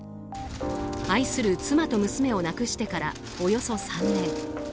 愛する妻と娘を亡くしてからおよそ３年。